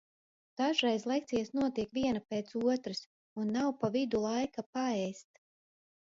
Dažreiz lekcijas notiek viena pēc otras un nav pa vidu laika paēst.